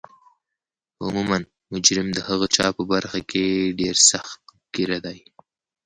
عموما مجرم د هغه چا په برخه کې ډیر سخت ګیره دی